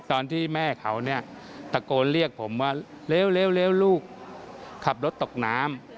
ตอนที่แม่เขาเนี่ยตะโกนเรียกผมว่าเร็วลูกขับรถตกน้ำ